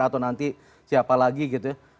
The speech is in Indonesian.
atau nanti siapa lagi gitu ya